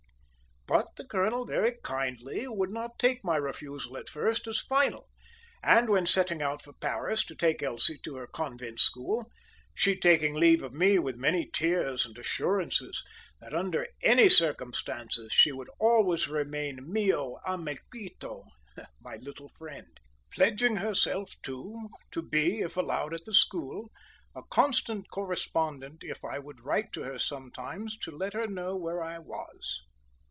But the colonel very kindly would not take my refusal at first as final; and, when setting out for Paris to take Elsie to her convent school, she taking leave of me with many tears and assurances that under any circumstances she would always remain mio amiquito (my little friend) pledging herself, too, to be, if allowed at the school, a constant correspondent if I would write to her sometimes to let her know where I was.